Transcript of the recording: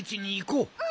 うん！